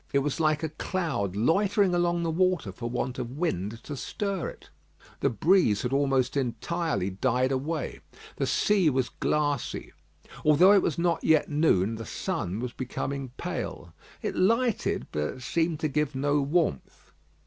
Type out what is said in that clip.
It was like a cloud loitering along the water for want of wind to stir it. The breeze had almost entirely died away. The sea was glassy. Although it was not yet noon, the sun was becoming pale. It lighted but seemed to give no warmth.